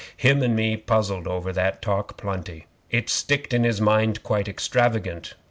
Him and me puzzled over that talk plenty. It sticked in his mind quite extravagant.